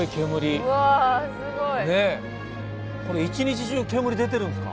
これ一日中煙出てるんですか？